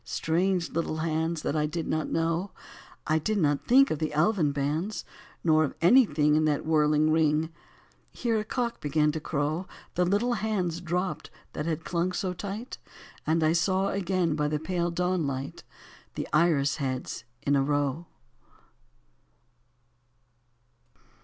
Strange, little hands that I did not know : I did not think of the elvan bands, Nor of anything In that whirling ring —' Here a cock began to crow 1 The little hands dropped that had clung so tight, And I saw again by the pale dawnlight The iris heads in a row.